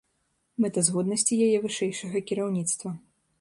Мэтазгоднасці яе вышэйшага кіраўніцтва.